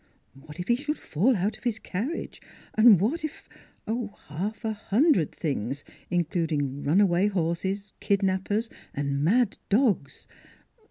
What if he should fall out of his carriage? What if half a hundred things, including runaway horses, kid nappers, and mad dogs.